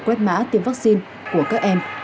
quét mã tiêm vaccine của các em